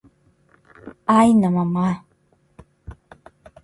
Áina mamá